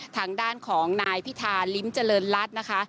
ทางด้านของนายพิธาลิ้มเจริญรัฐนะคะ